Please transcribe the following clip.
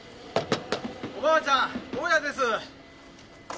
おばあちゃん大家です！